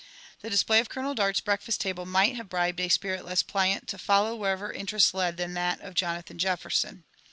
The display of Golooel Daurl'i breakfast table might have brHied a spirit less pliant to follow wherever interest led than that of Jonathan JeCferson.